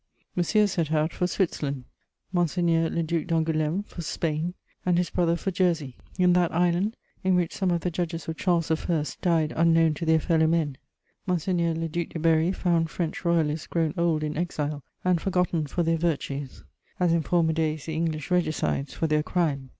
Monsieur set out for Switzerland; Monseigneur le Duc d'Angoulême for Spain, and his brother for Jersey. In that island, in which some of the judges of Charles I. died unknown to their fellow men, Monseigneur le Duc de Berry found French Royalists grown old in exile and forgotten for their virtues, as in former days the English regicides for their crime.